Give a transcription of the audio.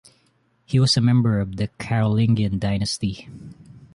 He was a member of the Carolingian dynasty.